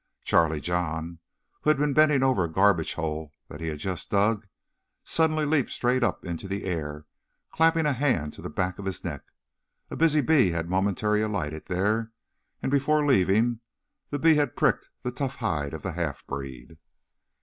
Charlie John, who had been bending over a garbage hole that he had just dug, suddenly leaped straight up into the air, clapping a hand to the back of his neck. A busy bee had momentarily alighted there, and, before leaving, the bee had pricked the tough hide of the half breed.